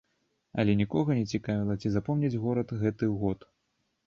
Але нікога не цікавіла, ці запомніць горад гэты год.